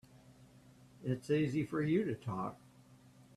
It's easy for you to talk.